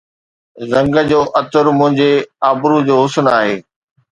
زنگ جو عطر منهنجي ابرو جو حسن آهي